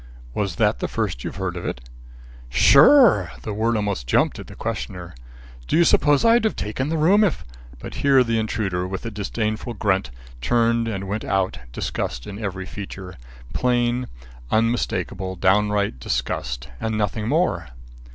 "Was that the first you'd heard of it?" "Sure!" The word almost jumped at the questioner. "Do you suppose I'd have taken the room if " But here the intruder, with a disdainful grunt, turned and went out, disgust in every feature, plain, unmistakable, downright disgust, and nothing more!